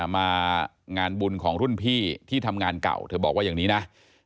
มางานบุญของรุ่นพี่ที่ทำงานเก่าเธอบอกว่าอย่างนี้นะ